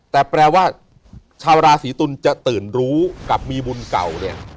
แต่แปลว่าชาวราศีตุลจะตื่นรู้กับมีบุญเก่าเนี่ย